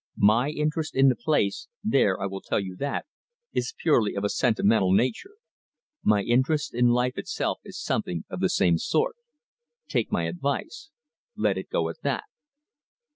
My interest in the place there, I will tell you that is purely of a sentimental nature. My interest in life itself is something of the same sort. Take my advice. Let it go at that."